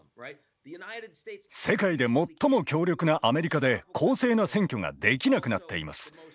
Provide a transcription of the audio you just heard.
世界で最も強力なアメリカで公正な選挙ができなくなっています。